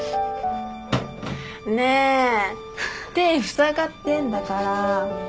ねえ手ふさがってんだから。